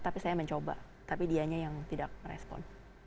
tapi saya mencoba tapi dianya yang tidak merespon